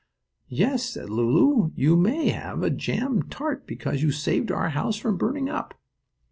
"Yes," said Lulu, "you may have a jam tart because you saved our house from burning up."